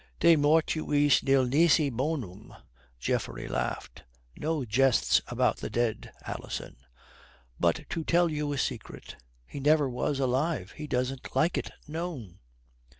"De mortuis nil nisi bonum," Geoffrey laughed. "No jests about the dead, Alison. But to tell you a secret, he never was alive. He doesn't like it known."